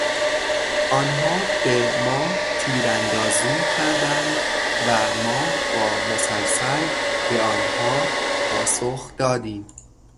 آنها به ما تیراندازی کردند و ما با مسلسل به آنها پاسخ دادیم.